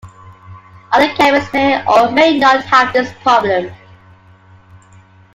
Other cameras may or may not have this problem.